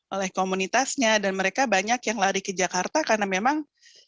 oleh komunitasnya dan mereka banyak yang lari ke jakarta karena memang